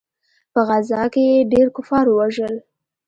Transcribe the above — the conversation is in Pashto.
په غزا کښې يې ډېر کفار ووژل.